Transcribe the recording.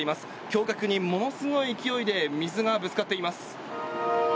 橋脚にものすごい勢いで水がぶつかっています。